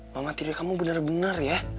mama tiri kamu bener bener ya